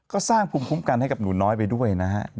ก็สร้างภูมิคุ้มกันให้กับหนูน้อยไปด้วยนะฮะ